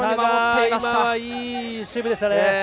いい守備でしたね。